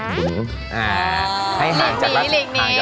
อ๋อหลังจากลักษณ์สวัสดี